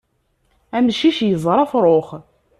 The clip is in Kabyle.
Amcic yeẓṛa afṛux.